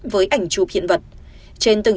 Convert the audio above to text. với ảnh chụp hiện vật trên từng